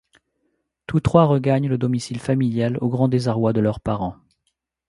Tous trois regagnent le domicile familial au grand désarroi de leurs parents...